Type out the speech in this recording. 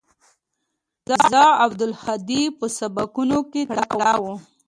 زه او عبدالهادي په سبقانو کښې تکړه وو.